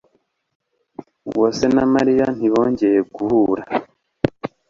Uwase na Mariya ntibongeye guhura.